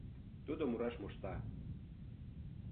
Тудо мураш мошта.